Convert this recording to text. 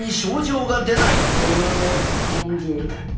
え何で？